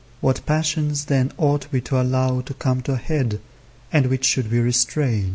What passions, then, ought we to allow to come to a head, and which should we restrain?